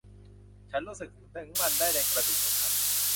ฉันรู้สึกถึงมันได้ในกระดูกของฉัน